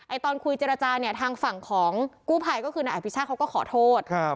ตอนคุยเจรจาเนี่ยทางฝั่งของกู้ภัยก็คือนายอภิชาเขาก็ขอโทษ